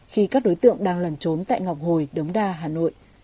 khi các đối tượng đang lẩn trốn tại ngọc hồi đống đa hà nội